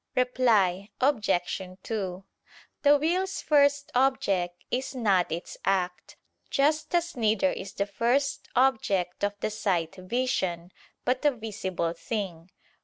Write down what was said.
Reply Obj. 2: The will's first object is not its act: just as neither is the first object of the sight, vision, but a visible thing.